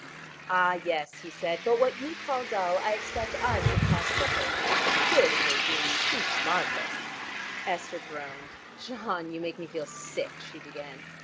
"Ah, yes," he said, "but what you call dull, I expect I should call subtle. Surely, Nadine, you see how marvelous." Esther groaned. "John, you make me feel sick," she began.